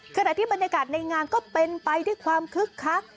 ขณะที่บรรยากาศในงานก็เป็นไปด้วยความคึกคัก